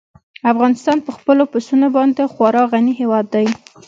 افغانستان په خپلو پسونو باندې خورا غني هېواد دی.